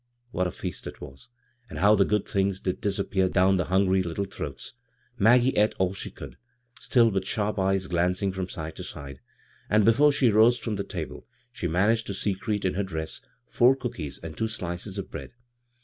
What a feast it was, and how the good things did disappear down the hungry little throats 1 Maggie ate all she could, still with sharp eyes glancing from side to side ; and before she rose bom the table she managed to secrete in her dress four cookies and two slices of bread.